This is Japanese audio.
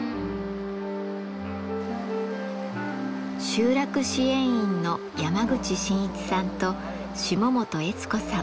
集落支援員の山口晋一さんと下本英津子さん。